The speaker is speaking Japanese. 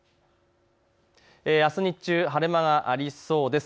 あす日中晴れ間がありそうです。